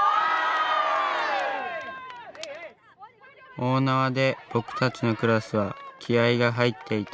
大縄で僕たちのクラスは気合いが入っていた。